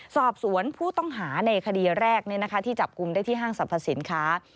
สอบสวนผู้ต้องหาในคดีแรกที่จับกลุ่มได้ที่ห้างสรรพสินค้า